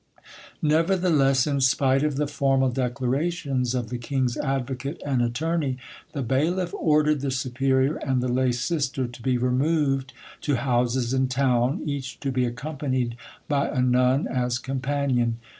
Nevertheless, in spite of the formal declarations of the king's advocate and attorney, the bailiff ordered the superior and the lay sister to be removed to houses in town, each to be accompanied by a nun as companion.